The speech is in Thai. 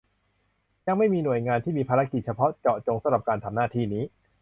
ยังไม่มีหน่วยงานที่มีภารกิจเฉพาะเจาะจงสำหรับการทำหน้าที่นี้